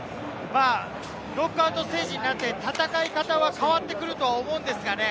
ノックアウトステージになって戦い方は変わってくると思うんですが。